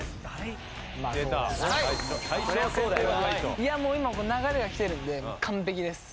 いやもう今流れが来てるんで完璧です。